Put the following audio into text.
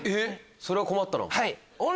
それは困ったな。